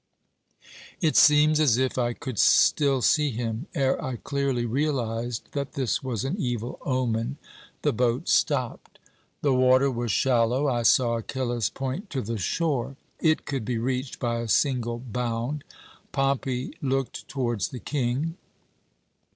It seems as if I could still see him. Ere I clearly realized that this was an evil omen, the boat stopped. "The water was shallow. I saw Achillas point to the shore. It could be reached by a single bound. Pompey looked towards the King.